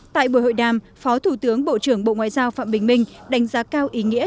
tại buổi hội đàm phó thủ tướng bộ trưởng bộ ngoại giao phạm bình minh đánh giá cao ý nghĩa